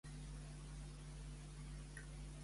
Quin Antígon devia ser el seu executor?